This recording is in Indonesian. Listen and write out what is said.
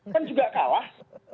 kan juga kalah